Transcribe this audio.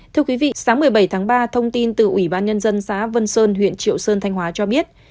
thưa quý vị sáng một mươi bảy tháng ba thông tin từ ủy ban nhân dân xã vân sơn huyện triệu sơn thanh hóa cho biết